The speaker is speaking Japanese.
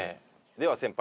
では先輩